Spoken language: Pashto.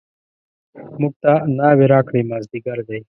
موږ ته ناوې راکړئ مازدیګر دی.